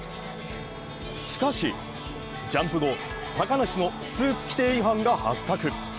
しかし、ジャンプ後、高梨のスーツ規定違反が発覚。